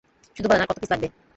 শুধু বলেন, আর কত পিস লাগবে?